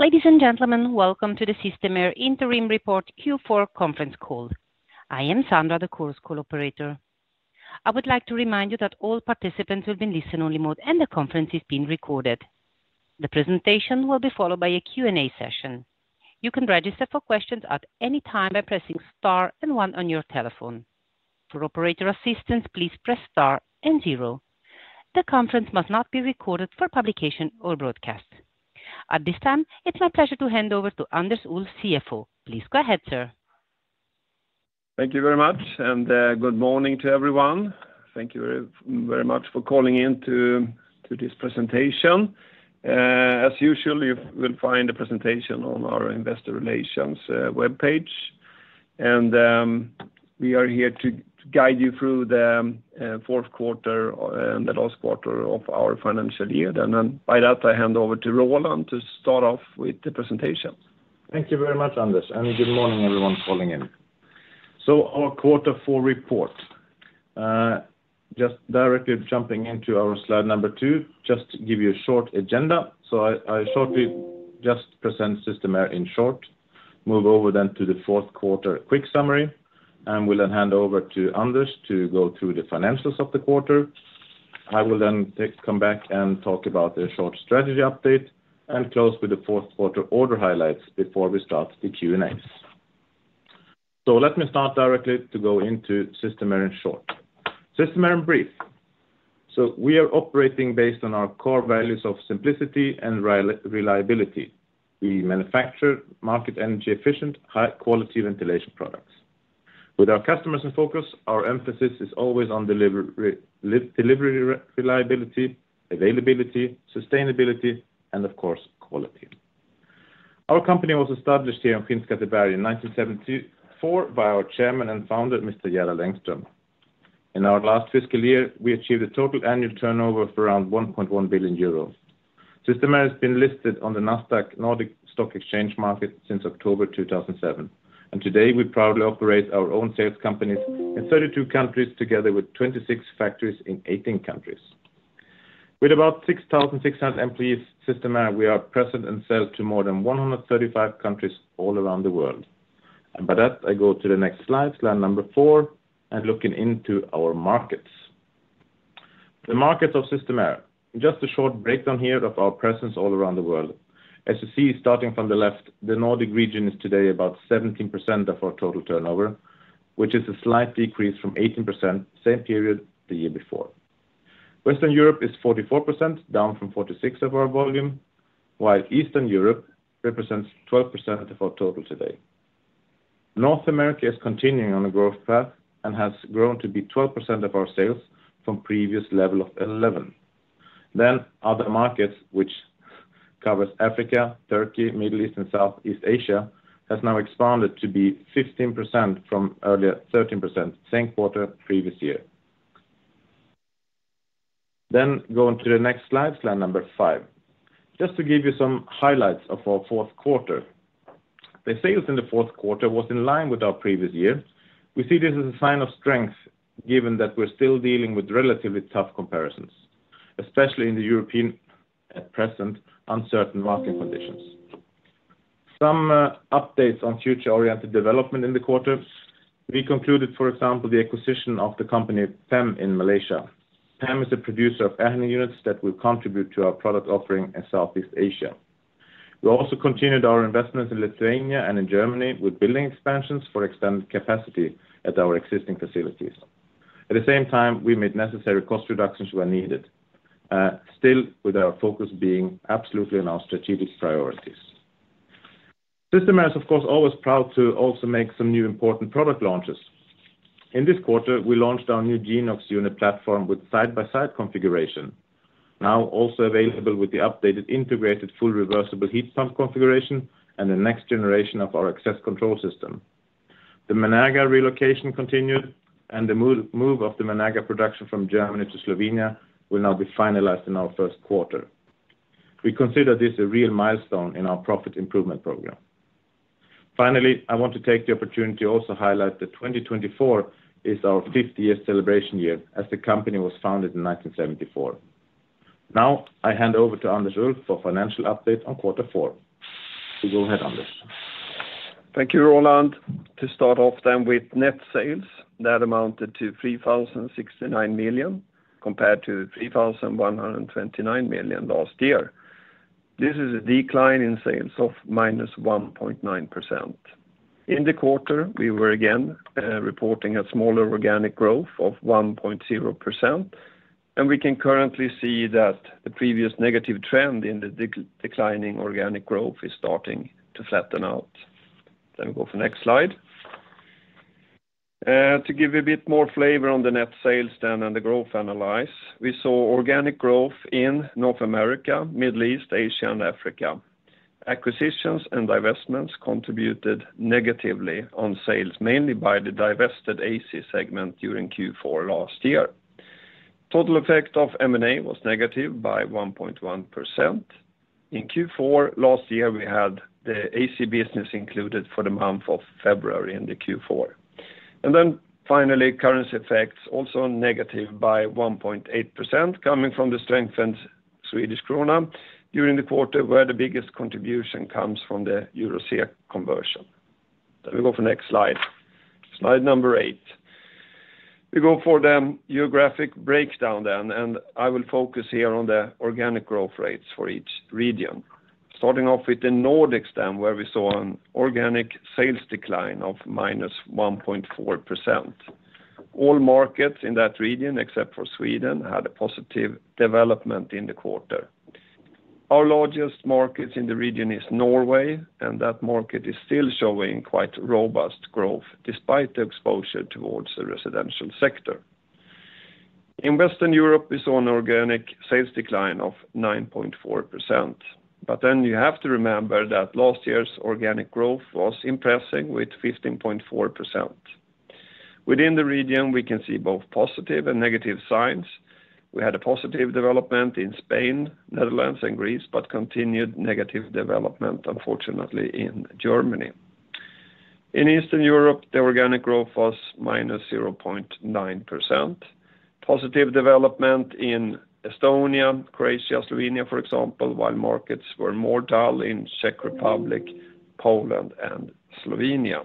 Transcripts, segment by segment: Ladies and gentlemen, welcome to the Systemair Interim Report Q4 conference call. I am Sandra, the Chorus Call operator. I would like to remind you that all participants will be in listen-only mode, and the conference is being recorded. The presentation will be followed by a Q&A session. You can register for questions at any time by pressing star and one on your telephone. For operator assistance, please press star and zero. The conference must not be recorded for publication or broadcast. At this time, it's my pleasure to hand over to Anders Ulff, CFO. Please go ahead, sir. Thank you very much, and good morning to everyone. Thank you very, very much for calling in to this presentation. As usual, you will find the presentation on our investor relations webpage, and we are here to guide you through the Q4 and the last quarter of our financial year. And then by that, I hand over to Roland to start off with the presentation. Thank you very much, Anders, and good morning, everyone calling in. So our Quarter 4 report. Just directly jumping into our slide number 2, just to give you a short agenda. So I shortly just present Systemair in short, move over then to the Q4 quick summary, and will then hand over to Anders to go through the financials of the quarter. I will then come back and talk about a short strategy update, and close with the Q4 order highlights before we start the Q&A. So let me start directly to go into Systemair in short. Systemair in brief. So we are operating based on our core values of simplicity and reliability. We manufacture, market energy efficient, high quality ventilation products. With our customers in focus, our emphasis is always on delivery reliability, availability, sustainability, and of course, quality. Our company was established here in Skåne, Sverige in 1974 by our chairman and founder, Mr. Gerald Engström. In our last fiscal year, we achieved a total annual turnover of around 1.1 billion euros. Systemair has been listed on the Nasdaq Nordic Stock Exchange Market since October 2007, and today we proudly operate our own sales companies in 32 countries, together with 26 factories in 18 countries. With about 6,600 employees, Systemair, we are present and sell to more than 135 countries all around the world. And by that, I go to the next slide, slide number 4, and looking into our markets. The markets of Systemair. Just a short breakdown here of our presence all around the world. As you see, starting from the left, the Nordic region is today about 17% of our total turnover, which is a slight decrease from 18%, same period the year before. Western Europe is 44%, down from 46% of our volume, while Eastern Europe represents 12% of our total today. North America is continuing on a growth path and has grown to be 12% of our sales from previous level of 11%. Then other markets, which covers Africa, Turkey, Middle East, and Southeast Asia, has now expanded to be 15% from earlier, 13%, same quarter, previous year. Then go on to the next slide, slide number 5. Just to give you some highlights of our Q4. The sales in the Q4 was in line with our previous year. We see this as a sign of strength, given that we're still dealing with relatively tough comparisons, especially in the European, at present, uncertain market conditions. Some updates on future-oriented development in the quarter. We concluded, for example, the acquisition of the company PEM in Malaysia. PEM is a producer of air handling units that will contribute to our product offering in Southeast Asia. We also continued our investments in Lithuania and in Germany, with building expansions for expanded capacity at our existing facilities. At the same time, we made necessary cost reductions where needed, still with our focus being absolutely on our strategic priorities. Systemair is, of course, always proud to also make some new important product launches. In this quarter, we launched our new Geniox unit platform with side-by-side configuration, now also available with the updated, integrated, full reversible heat pump configuration and the next generation of our access control system. The Menerga relocation continued, and the move of the Menerga production from Germany to Slovenia will now be finalized in our Q1. We consider this a real milestone in our profit improvement program. Finally, I want to take the opportunity to also highlight that 2024 is our fiftieth celebration year, as the company was founded in 1974. Now, I hand over to Anders Ulff for financial update on quarter four. So go ahead, Anders. Thank you, Roland. To start off then with net sales, that amounted to 3,069 million, compared to 3,129 million last year. This is a decline in sales of -1.9%. In the quarter, we were again reporting a smaller organic growth of 1.0%, and we can currently see that the previous negative trend in the declining organic growth is starting to flatten out. Then we go to the next slide. To give you a bit more flavor on the net sales then, and the growth analysis, we saw organic growth in North America, Middle East, Asia, and Africa. Acquisitions and divestments contributed negatively on sales, mainly by the divested AC segment during Q4 last year. Total effect of M&A was negative by 1.1%. In Q4 last year, we had the AC business included for the month of February in the Q4. And then finally, currency effects also negative by 1.8%, coming from the strengthened Swedish krona during the quarter, where the biggest contribution comes from the euro conversion. Let me go for next slide. Slide number 8. We go for the geographic breakdown then, and I will focus here on the organic growth rates for each region. Starting off with the Nordics then, where we saw an organic sales decline of -1.4%. All markets in that region, except for Sweden, had a positive development in the quarter. Our largest markets in the region is Norway, and that market is still showing quite robust growth, despite the exposure towards the residential sector. In Western Europe, we saw an organic sales decline of 9.4%, but then you have to remember that last year's organic growth was impressing with 15.4%. Within the region, we can see both positive and negative signs. We had a positive development in Spain, Netherlands, and Greece, but continued negative development, unfortunately, in Germany. In Eastern Europe, the organic growth was -0.9%. Positive development in Estonia, Croatia, Slovenia, for example, while markets were more dull in Czech Republic, Poland, and Slovenia.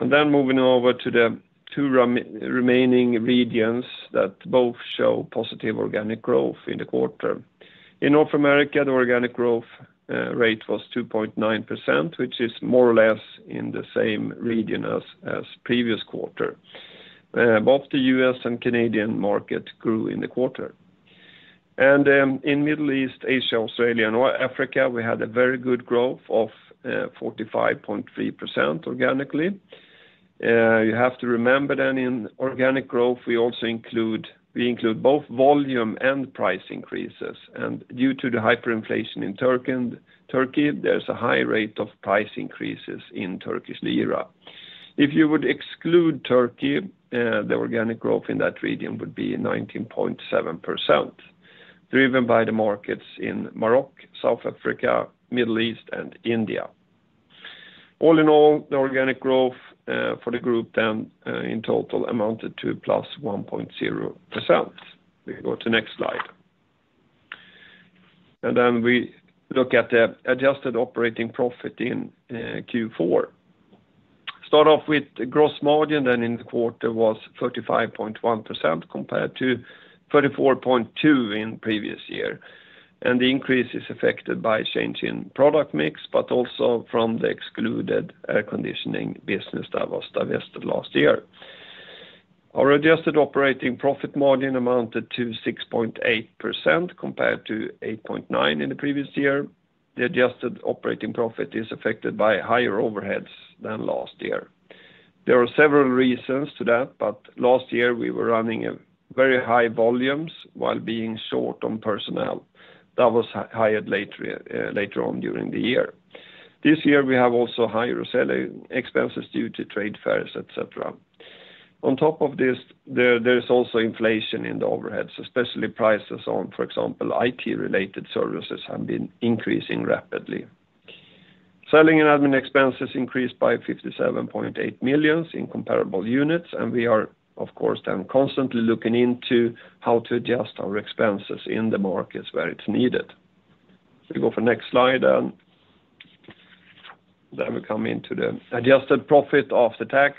Then moving over to the two remaining regions that both show positive organic growth in the quarter. In North America, the organic growth rate was 2.9%, which is more or less in the same region as the previous quarter. Both the U.S. and Canadian market grew in the quarter. In Middle East, Asia, Australia, and Africa, we had a very good growth of 45.3% organically. You have to remember then in organic growth, we also include-- we include both volume and price increases, and due to the hyperinflation in Turkey and Turkey, there's a high rate of price increases in Turkish lira. If you would exclude Turkey, the organic growth in that region would be 19.7%, driven by the markets in Morocco, South Africa, Middle East, and India. All in all, the organic growth for the group then in total amounted to +1.0%. We go to next slide. And then we look at the adjusted operating profit in Q4. Start off with the gross margin, then in the quarter was 35.1%, compared to 34.2% in previous year. And the increase is affected by change in product mix, but also from the excluded air conditioning business that was divested last year. Our adjusted operating profit margin amounted to 6.8%, compared to 8.9% in the previous year. The adjusted operating profit is affected by higher overheads than last year. There are several reasons to that, but last year, we were running a very high volumes while being short on personnel. That was hired later, later on during the year. This year, we have also higher selling expenses due to trade fairs, et cetera. On top of this, there is also inflation in the overheads, especially prices on, for example, IT-related services have been increasing rapidly. Selling and admin expenses increased by 57.8 million in comparable units, and we are, of course, then constantly looking into how to adjust our expenses in the markets where it's needed. We go for next slide, and then we come into the adjusted profit of the tax,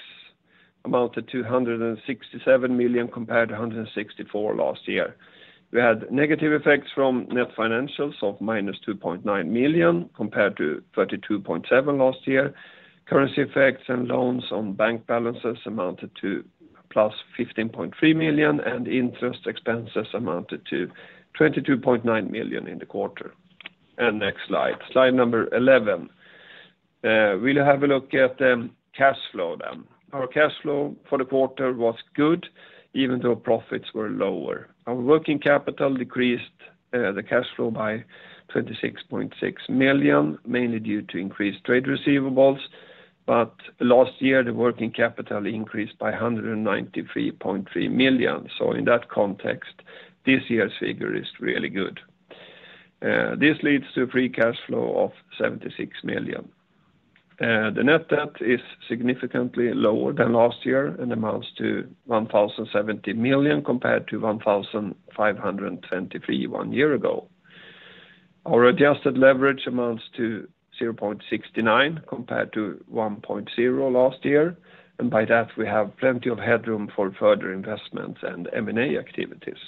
amounted to 167 million, compared to 164 million last year. We had negative effects from net financials of -2.9 million, compared to 32.7 million last year. Currency effects and loans on bank balances amounted to +15.3 million, and interest expenses amounted to 22.9 million in the quarter. Next slide, slide number eleven. We'll have a look at the cash flow then. Our cash flow for the quarter was good, even though profits were lower. Our working capital decreased the cash flow by 26.6 million, mainly due to increased trade receivables, but last year, the working capital increased by 193.3 million. So in that context, this year's figure is really good. This leads to free cash flow of 76 million. The net debt is significantly lower than last year and amounts to 1,070 million, compared to 1,523 million one year ago. Our adjusted leverage amounts to 0.69 compared to 1.0 last year, and by that, we have plenty of headroom for further investments and M&A activities.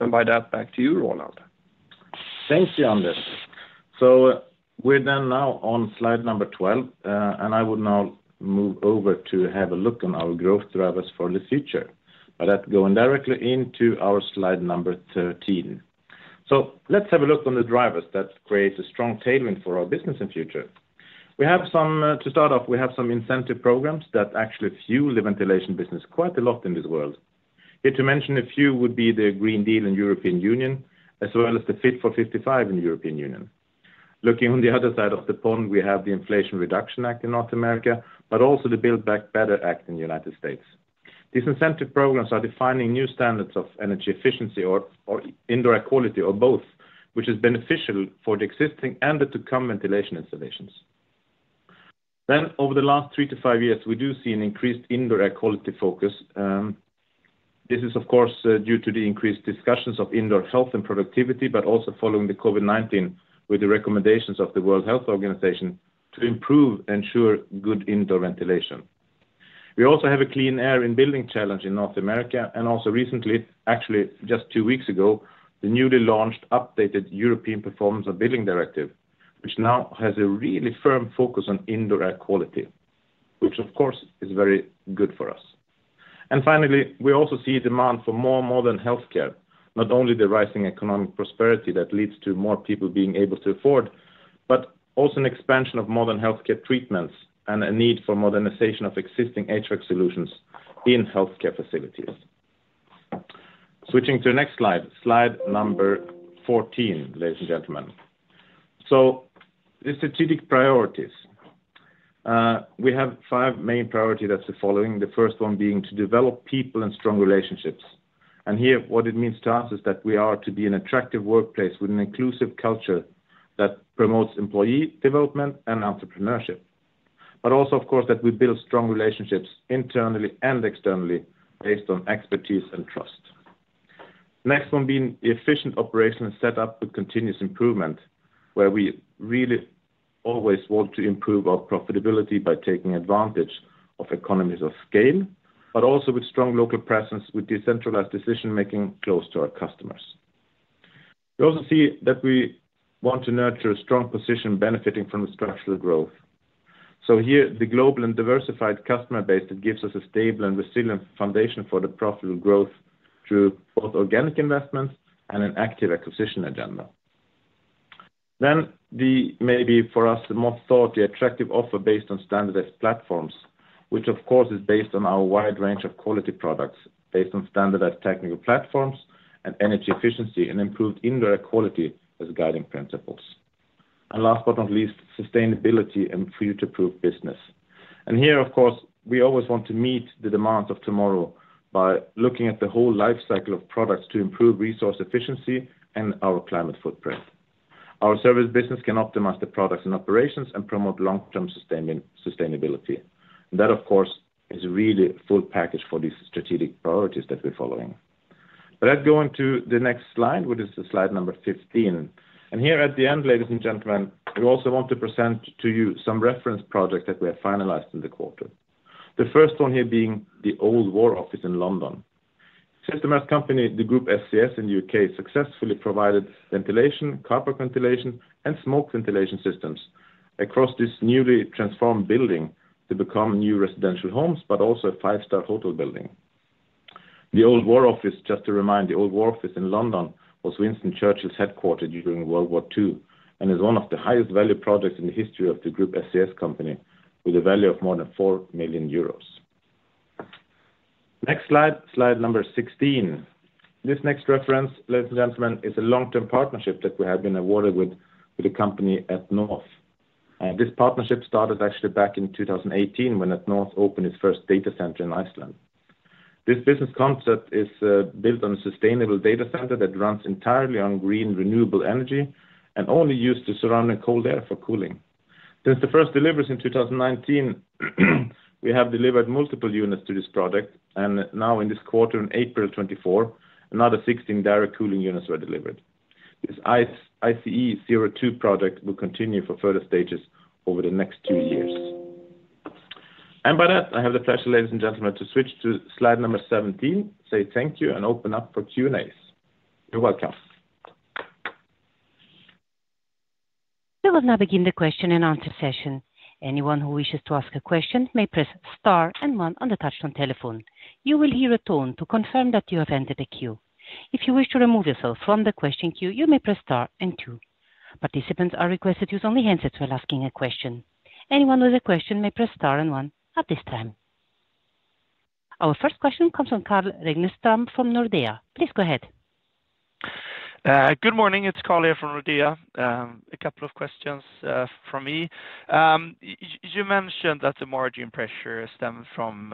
And by that, back to you, Roland. Thank you, Anders. So we're then now on slide number 12, and I would now move over to have a look on our growth drivers for the future, but that going directly into our slide number 13. So let's have a look on the drivers that create a strong tailwind for our business in future. We have some, to start off, we have some incentive programs that actually fuel the ventilation business quite a lot in this world. Here to mention a few would be the Green Deal in European Union, as well as the Fit for 55 in European Union. Looking on the other side of the pond, we have the Inflation Reduction Act in North America, but also the Build Back Better Act in United States. These incentive programs are defining new standards of energy efficiency or, or indoor air quality, or both, which is beneficial for the existing and the to-come ventilation installations. Then, over the last three to five years, we do see an increased indoor air quality focus. This is, of course, due to the increased discussions of indoor health and productivity, but also following the COVID-19, with the recommendations of the World Health Organization to improve ensure good indoor ventilation. We also have a Clean Air in Buildings Challenge in North America, and also recently, actually just two weeks ago, the newly launched, updated Energy Performance of Buildings Directive, which now has a really firm focus on indoor air quality, which, of course, is very good for us. And finally, we also see demand for more modern healthcare, not only the rising economic prosperity that leads to more people being able to afford, but also an expansion of modern healthcare treatments and a need for modernization of existing HVAC solutions in healthcare facilities. Switching to the next slide, slide number 14, ladies and gentlemen. So the strategic priorities. We have five main priority that's the following, the first one being to develop people and strong relationships. And here, what it means to us is that we are to be an attractive workplace with an inclusive culture that promotes employee development and entrepreneurship, but also, of course, that we build strong relationships internally and externally based on expertise and trust. Next one being efficient operation and set up with continuous improvement, where we really always want to improve our profitability by taking advantage of economies of scale, but also with strong local presence, with decentralized decision-making close to our customers. We also see that we want to nurture a strong position benefiting from the structural growth. So here, the global and diversified customer base that gives us a stable and resilient foundation for the profitable growth through both organic investments and an active acquisition agenda. Then the maybe for us, the most thought, the attractive offer based on standardized platforms, which, of course, is based on our wide range of quality products, based on standardized technical platforms and energy efficiency, and improved indoor air quality as guiding principles. And last but not least, sustainability and future-proof business. And here, of course, we always want to meet the demands of tomorrow by looking at the whole life cycle of products to improve resource efficiency and our climate footprint. Our service business can optimize the products and operations and promote long-term sustainability. That, of course, is really a full package for these strategic priorities that we're following. But let's go on to the next slide, which is the slide number 15. And here at the end, ladies and gentlemen, we also want to present to you some reference projects that we have finalized in the quarter. The first one here being the Old War Office in London. Systemair company, the Group SCS in the U.K., successfully provided ventilation, copper ventilation, and smoke ventilation systems across this newly transformed building to become new residential homes, but also a five-star hotel building. The Old War Office, just to remind, the Old War Office in London, was Winston Churchill's headquarters during World War II, and is one of the highest value projects in the history of the Group SCS company, with a value of more than 4 million euros. Next slide, slide number 16. This next reference, ladies and gentlemen, is a long-term partnership that we have been awarded with, with a company atNorth. This partnership started actually back in 2018, when atNorth opened its first data center in Iceland. This business concept is, built on a sustainable data center that runs entirely on green, renewable energy and only use the surrounding cold air for cooling. Since the first deliveries in 2019, we have delivered multiple units to this project, and now in this quarter, in April 2024, another 16 direct cooling units were delivered. This ICE02 project will continue for further stages over the next two years. And by that, I have the pleasure, ladies and gentlemen, to switch to slide number 17, say thank you and open up for Q&As. You're welcome. We will now begin the question and answer session. Anyone who wishes to ask a question may press star and one on the touchtone telephone. You will hear a tone to confirm that you have entered the queue. If you wish to remove yourself from the question queue, you may press star and two. Participants are requested to use only handsets while asking a question. Anyone with a question may press star and one at this time. Our first question comes from Carl Rensch, from Nordea. Please go ahead. Good morning. It's Carl here from Nordea. A couple of questions from me. You mentioned that the margin pressure stemmed from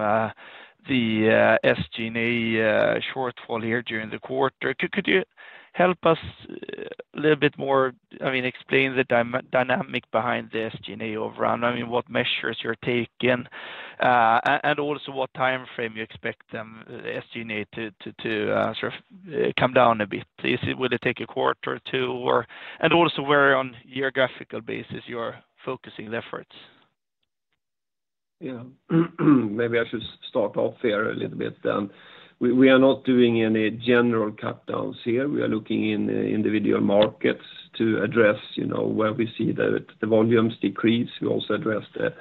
the SG&A shortfall here during the quarter. Could you help us a little bit more, I mean, explain the dynamic behind the SG&A overall? I mean, what measures you're taking, and also what time frame you expect the SG&A to sort of come down a bit. Will it take a quarter or two? Or... And also, where on geographical basis you are focusing the efforts? Yeah, maybe I should start off here a little bit then. We are not doing any general cutdowns here. We are looking in individual markets to address, you know, where we see the volumes decrease. We also address the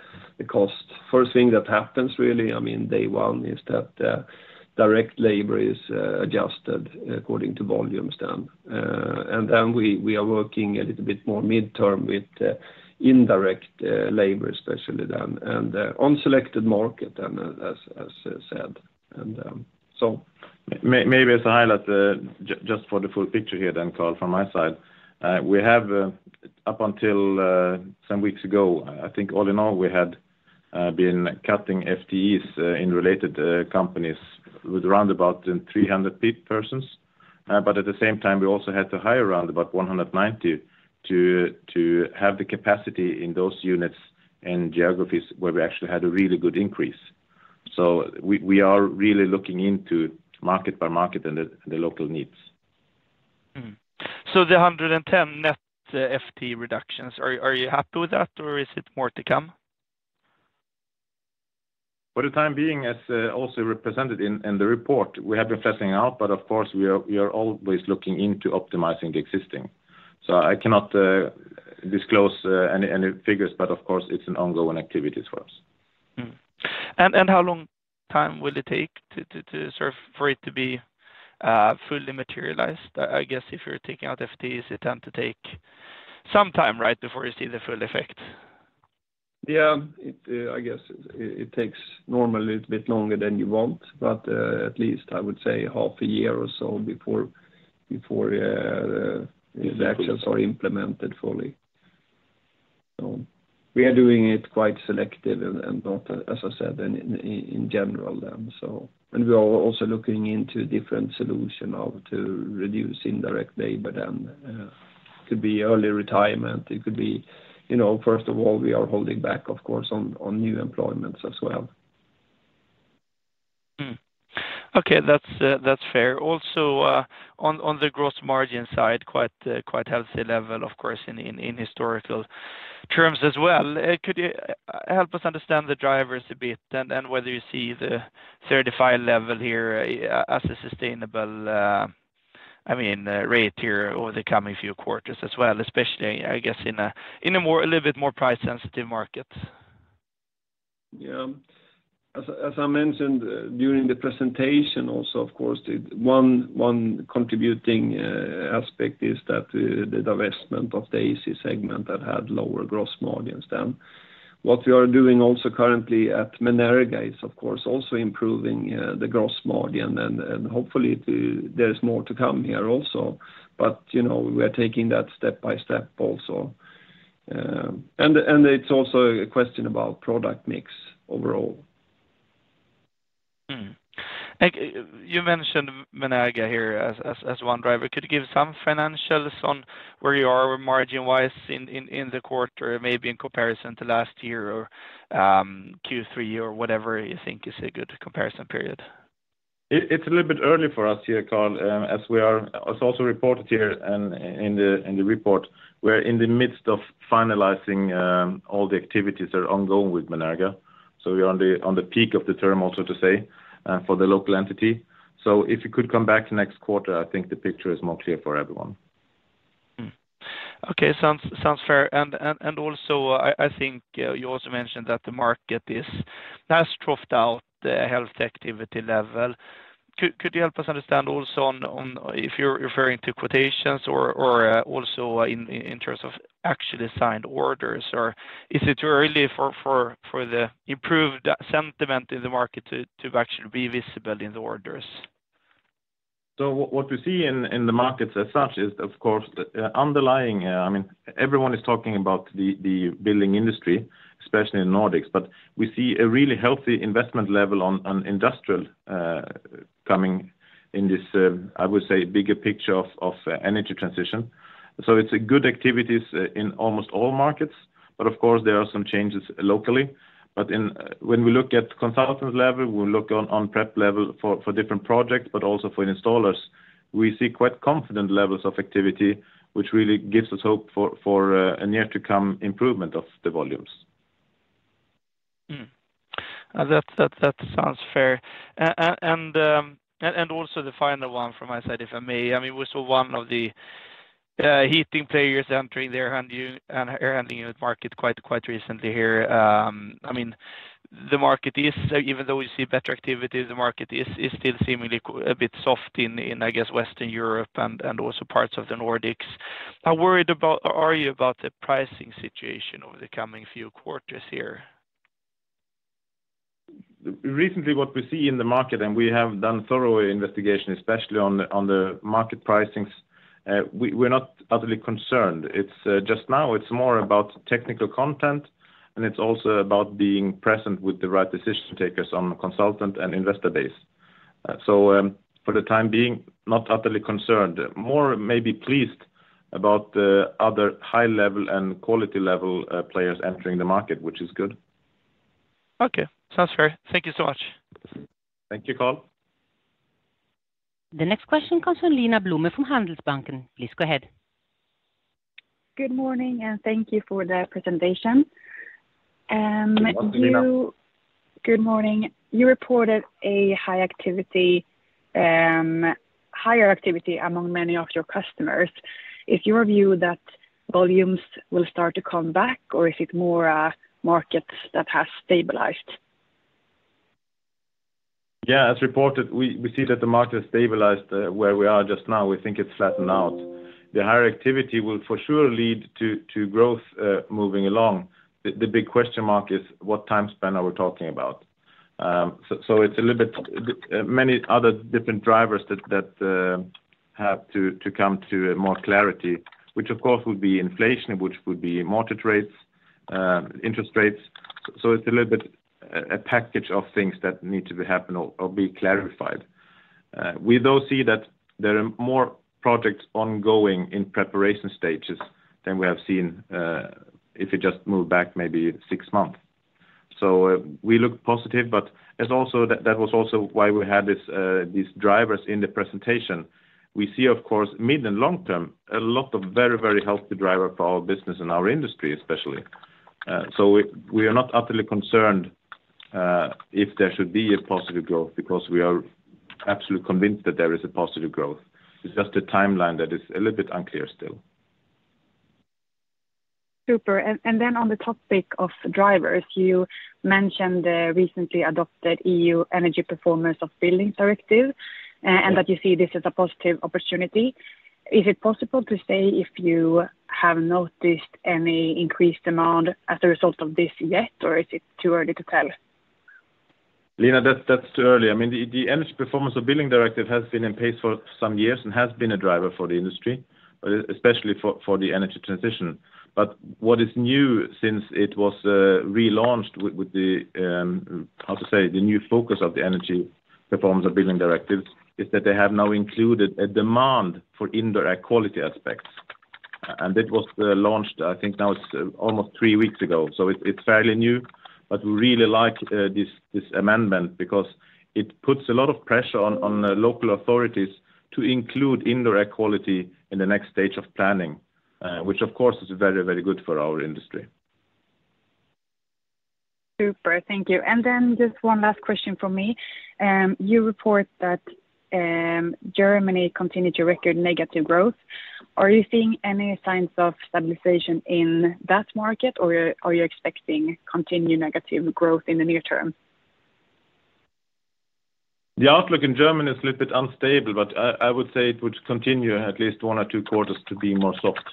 cost. First thing that happens, really, I mean, day one, is that direct labor is adjusted according to volumes done. And then we are working a little bit more mid-term with indirect labor, especially then, and on selected market then, as said. And maybe as a highlight, just for the full picture here, then, Carl, from my side, we have up until some weeks ago, I think all in all, we had been cutting FTEs in related companies with around about 300 persons. But at the same time, we also had to hire around about 190 to have the capacity in those units and geographies where we actually had a really good increase. So we are really looking into market by market and the local needs. Mm-hmm. So the 110 net FTE reductions, are you happy with that or is it more to come? For the time being, as also represented in the report, we have been fleshing out, but of course, we are always looking into optimizing the existing. So I cannot disclose any figures, but of course, it's an ongoing activity for us. Mm-hmm. And how long time will it take to sort of for it to be fully materialized? I guess if you're taking out FTEs, it tend to take some time, right, before you see the full effect? Yeah, I guess it takes normally a little bit longer than you want, but at least I would say half a year or so before these actions are implemented fully. So we are doing it quite selective and not as I said in general then, so. And we are also looking into different solution now to reduce indirect labor, then could be early retirement, it could be, you know, first of all, we are holding back, of course, on new employments as well. Mm-hmm. Okay, that's, that's fair. Also, on the gross margin side, quite, quite healthy level, of course, in historical terms as well. Could you help us understand the drivers a bit, and whether you see the certified level here as a sustainable, I mean, rate here over the coming few quarters as well, especially, I guess, in a more, a little bit more price sensitive market? Yeah. As I mentioned during the presentation, also, of course, the one contributing aspect is that the divestment of the AC segment that had lower gross margins than what we are doing also currently at Menerga, is, of course, also improving the gross margin, and hopefully there is more to come here also. But, you know, we are taking that step by step also. And it's also a question about product mix overall. Mm-hmm. Like, you mentioned Menerga here as one driver. Could you give some financials on where you are margin-wise in the quarter, maybe in comparison to last year or Q3, or whatever you think is a good comparison period? It's a little bit early for us here, Carl, as we are. As also reported here in the report, we're in the midst of finalizing all the activities that are ongoing with Menerga. So we're on the peak of the term, also to say, for the local entity. So if you could come back next quarter, I think the picture is more clear for everyone. Mm-hmm. Okay, sounds fair. And also, I think you also mentioned that the market is, has troughed out the health activity level. Could you help us understand also on if you're referring to quotations or also in terms of actually signed orders, or is it too early for the improved sentiment in the market to actually be visible in the orders? So what, what we see in, in the markets as such is, of course, the underlying, I mean, everyone is talking about the, the building industry, especially in Nordics, but we see a really healthy investment level on, on industrial, coming in this, I would say, bigger picture of, of energy transition. So it's a good activities, in almost all markets, but of course, there are some changes locally. But when we look at consultant level, we look on, on prep level for, for different projects, but also for installers, we see quite confident levels of activity, which really gives us hope for, for, a near to come improvement of the volumes. Mm-hmm. That sounds fair. And also the final one from my side, if I may. I mean, we saw one of the heating players entering the air handling unit market quite recently here. I mean, the market is, even though we see better activity, the market is still seemingly a bit soft in, I guess, Western Europe and also parts of the Nordics. How worried are you about the pricing situation over the coming few quarters here? Recently, what we see in the market, and we have done thorough investigation, especially on the, on the market pricings, we, we're not utterly concerned. It's, just now it's more about technical content, and it's also about being present with the right decision makers on consultant and investor base. So, for the time being, not utterly concerned, more maybe pleased about the other high level and quality level, players entering the market, which is good. Okay, sounds fair. Thank you so much. Thank you, Carl. The next question comes from Lina Blume, from Handelsbanken. Please go ahead. Good morning, and thank you for the presentation. Good morning, Lina. Good morning. You reported a high activity, higher activity among many of your customers. Is your view that volumes will start to come back, or is it more, markets that has stabilized? Yeah, as reported, we see that the market has stabilized where we are just now. We think it's flattened out. The higher activity will for sure lead to growth moving along. The big question mark is: What time span are we talking about? So it's a little bit many other different drivers that have to come to more clarity, which of course would be inflation, which would be mortgage rates, interest rates. So it's a little bit a package of things that need to be happen or be clarified. We though see that there are more projects ongoing in preparation stages than we have seen if you just move back maybe six months. So we look positive, but it's also that that was also why we had these drivers in the presentation. We see, of course, mid and long term, a lot of very, very healthy driver for our business and our industry, especially. So we, we are not utterly concerned, if there should be a positive growth because we are absolutely convinced that there is a positive growth. It's just the timeline that is a little bit unclear still. Super. And then on the topic of drivers, you mentioned the recently adopted EU Energy Performance of Buildings Directive, and that you see this as a positive opportunity. Is it possible to say if you have noticed any increased demand as a result of this yet, or is it too early to tell? Lina, that's too early. I mean, the Energy Performance of Buildings Directive has been in place for some years and has been a driver for the industry, but especially for the energy transition. But what is new since it was relaunched with the new focus of the Energy Performance of Buildings Directive is that they have now included a demand for indoor air quality aspects. And it was launched, I think now it's almost three weeks ago, so it's fairly new. But we really like this amendment because it puts a lot of pressure on the local authorities to include indoor air quality in the next stage of planning, which of course is very, very good for our industry. Super. Thank you. And then just one last question from me. You report that Germany continued to record negative growth. Are you seeing any signs of stabilization in that market, or are you expecting continued negative growth in the near term? The outlook in Germany is a little bit unstable, but I, I would say it would continue at least one or two quarters to be more soft.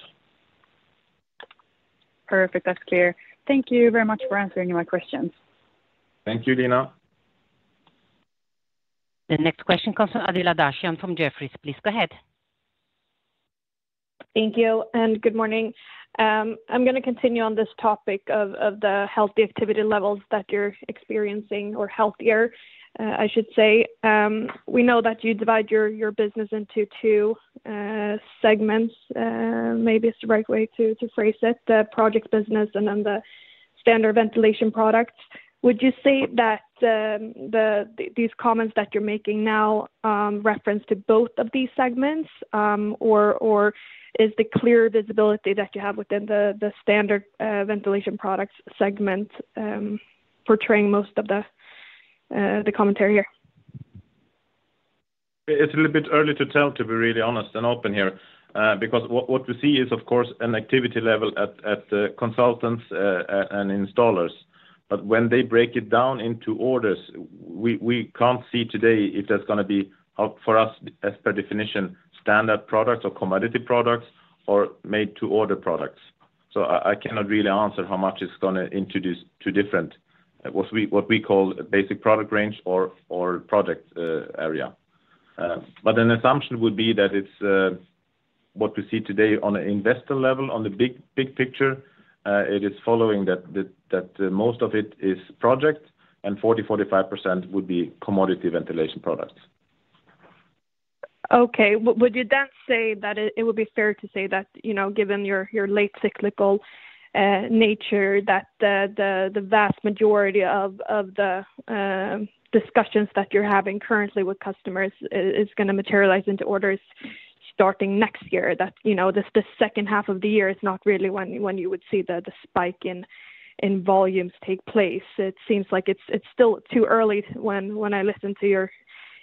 Perfect. That's clear. Thank you very much for answering my questions. Thank you, Lina. The next question comes from Adela Dashian from Jefferies. Please go ahead. Thank you, and good morning. I'm gonna continue on this topic of the healthy activity levels that you're experiencing or healthier, I should say. We know that you divide your business into two segments, maybe it's the right way to phrase it, the project business and then the standard ventilation products. Would you say that these comments that you're making now reference to both of these segments? Or is the clear visibility that you have within the standard ventilation products segment portraying most of the commentary here? It's a little bit early to tell, to be really honest and open here, because what we see is, of course, an activity level at the consultants and installers. But when they break it down into orders, we can't see today if that's gonna be for us, as per definition, standard products or commodity products or made to order products. So I cannot really answer how much it's gonna introduce to different, what we call a basic product range or product area. But an assumption would be that it's what we see today on an investor level, on the big picture, it is following that most of it is project, and 40%-45% would be commodity ventilation products. Okay. Would you then say that it would be fair to say that, you know, given your late cyclical nature, that the vast majority of the discussions that you're having currently with customers is gonna materialize into orders starting next year? That, you know, this, the second half of the year is not really when you would see the spike in volumes take place. It seems like it's still too early when I listen to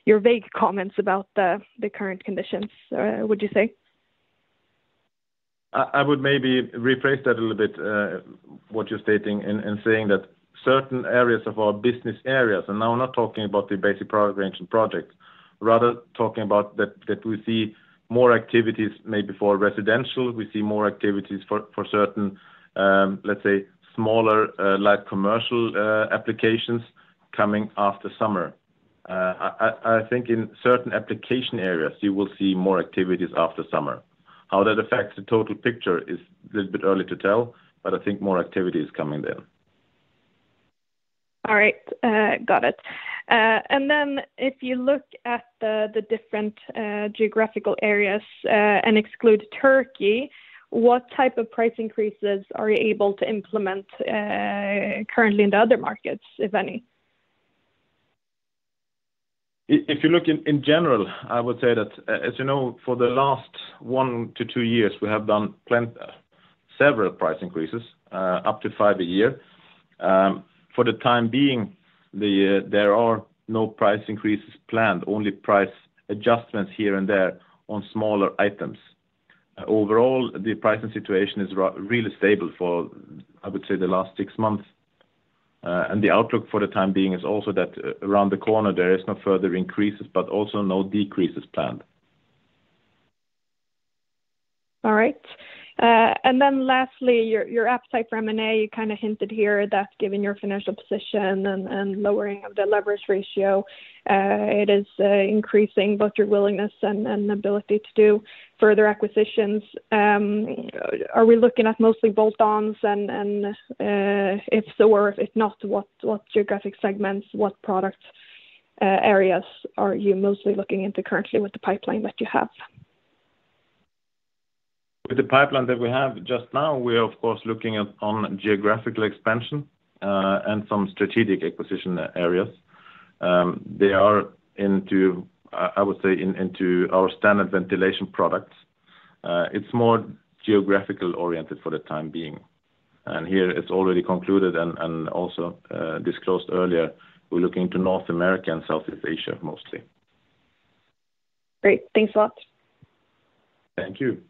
your vague comments about the current conditions, would you say? I would maybe rephrase that a little bit, what you're stating, and saying that certain areas of our business areas, and now I'm not talking about the basic product range and project, rather talking about that we see more activities maybe for residential. We see more activities for certain, let's say, smaller, like commercial, applications coming after summer. I think in certain application areas, you will see more activities after summer. How that affects the total picture is a little bit early to tell, but I think more activity is coming there. All right, got it. And then if you look at the different geographical areas, and exclude Turkey, what type of price increases are you able to implement, currently in the other markets, if any? If you look in general, I would say that, as you know, for the last 1-2 years, we have done several price increases, up to 5 a year. For the time being, there are no price increases planned, only price adjustments here and there on smaller items. Overall, the pricing situation is really stable for, I would say, the last six months, and the outlook for the time being is also that around the corner, there is no further increases, but also no decreases planned.... All right. And then lastly, your appetite for M&A, you kind of hinted here that given your financial position and lowering of the leverage ratio, it is increasing both your willingness and ability to do further acquisitions. Are we looking at mostly bolt-ons? And if so, or if not, what geographic segments, what product areas are you mostly looking into currently with the pipeline that you have? With the pipeline that we have just now, we are, of course, looking at on geographical expansion, and some strategic acquisition areas. They are into, I would say, in, into our standard ventilation products. It's more geographical oriented for the time being, and here it's already concluded and, and also, disclosed earlier. We're looking to North America and Southeast Asia, mostly. Great. Thanks a lot. Thank you.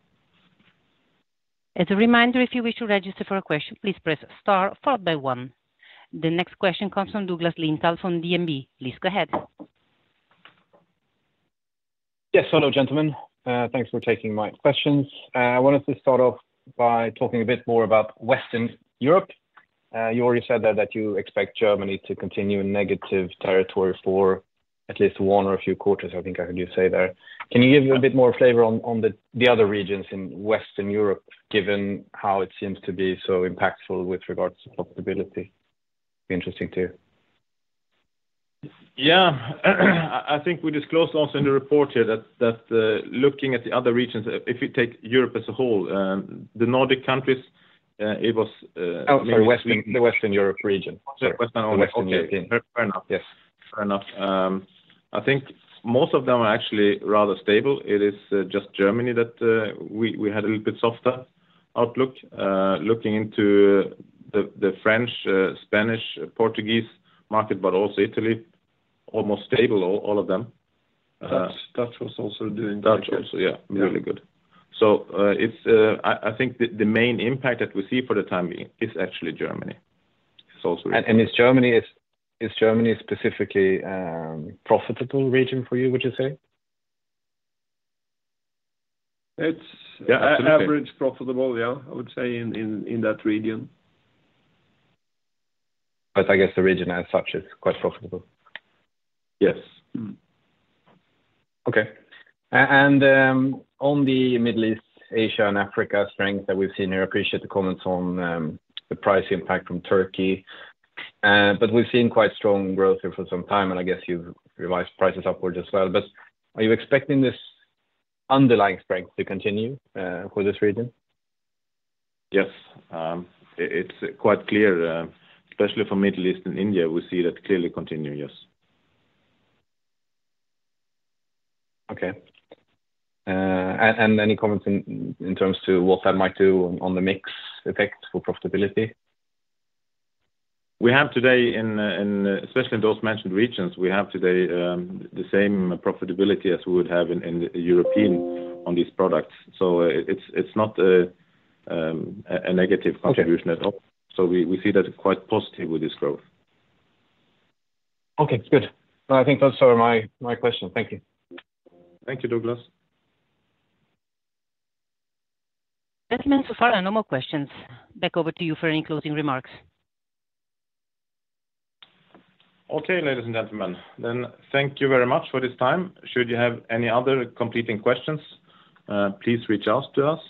As a reminder, if you wish to register for a question, please press star followed by one. The next question comes from Douglas Lindahl from DNB. Please go ahead. Yes. Hello, gentlemen. Thanks for taking my questions. I wanted to start off by talking a bit more about Western Europe. You already said that you expect Germany to continue in negative territory for at least one or a few quarters, I think I heard you say there. Can you give a bit more flavor on the other regions in Western Europe, given how it seems to be so impactful with regards to profitability? Interesting, too. Yeah. I think we disclosed also in the report here that looking at the other regions, if you take Europe as a whole, the Nordic countries, it was Oh, sorry, Western, the Western Europe region. Western Europe. The Western Europe. Fair enough. Yes. Fair enough. I think most of them are actually rather stable. It is just Germany that we had a little bit softer outlook. Looking into the French, Spanish, Portuguese market, but also Italy, almost stable, all of them. Dutch was also doing- Dutch also, yeah, really good. So, it's, I think the main impact that we see for the time being is actually Germany. It's also- Is Germany specifically profitable region for you, would you say? It's- Yeah, average profitable, yeah, I would say, in that region. I guess the region as such is quite profitable. Yes. Mm-hmm. Okay. And on the Middle East, Asia, and Africa strength that we've seen here, appreciate the comments on the price impact from Turkey. But we've seen quite strong growth here for some time, and I guess you've revised prices upwards as well. But are you expecting this underlying strength to continue for this region? Yes. It's quite clear, especially for Middle East and India, we see that clearly continue, yes. Okay. And any comments in terms of what that might do on the mix effect for profitability? We have today in especially in those mentioned regions, we have today the same profitability as we would have in European on these products. So it's not a negative contribution at all. Okay. So we see that quite positive with this growth. Okay, good. I think those are my, my questions. Thank you. Thank you, Douglas. Gentlemen, so far, no more questions. Back over to you for any closing remarks. Okay, ladies and gentlemen, then thank you very much for this time. Should you have any other further questions, please reach out to us.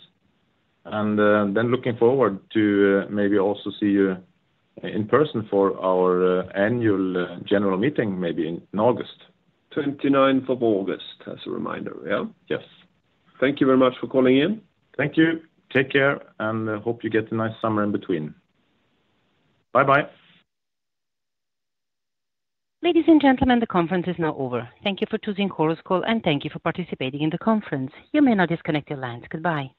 Looking forward to maybe also see you in person for our annual general meeting, maybe in August. 29 of August, as a reminder, yeah? Yes. Thank you very much for calling in. Thank you. Take care, and hope you get a nice summer in between. Bye-bye. Ladies and gentlemen, the conference is now over. Thank you for choosing Chorus Call, and thank you for participating in the conference. You may now disconnect your lines. Goodbye.